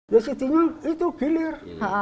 ya segini itu gilir